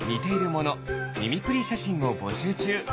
ミミクリーしゃしんをぼしゅうちゅう。